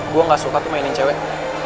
gue gak suka tuh mainin cewek